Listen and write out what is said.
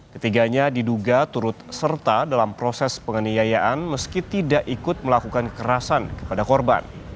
ketiganya diduga turut serta dalam proses penganiayaan meski tidak ikut melakukan kerasan kepada korban